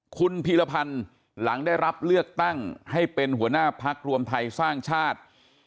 คุณพีรพันธ์หลังได้รับเลือกตั้งให้เป็นหัวหน้าพักรวมไทยสร้างชาติ